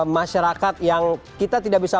masyarakat yang kita tidak bisa